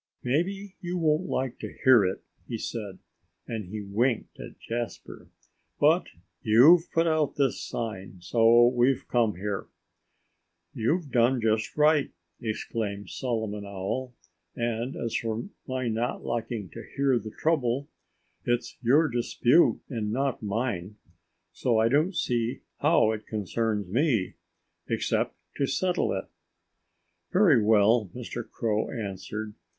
"Maybe you won't like to hear it," he said. And he winked at Jasper. "But you've put out this sign—so we've come here." "You've done just right!" exclaimed Solomon Owl. "And as for my not liking to hear the trouble, it's your dispute and not mine. So I don't see how it concerns me—except to settle it." "Very Well," Mr. Crow answered.